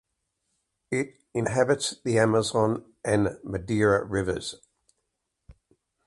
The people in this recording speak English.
It inhabits the Amazon and Madeira Rivers.